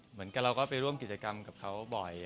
เหมือนกับเราก็ไปร่วมกิจกรรมกับเขาบ่อย